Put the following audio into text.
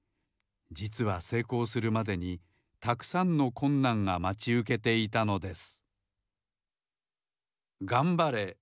じつはせいこうするまでにたくさんのこんなんがまちうけていたのです